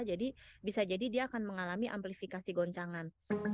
jadi bisa jadi dia akan mengalami amplifikasi goncangan